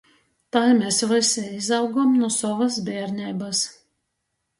Tai mes vysi izaugam nu sovys bierneibys.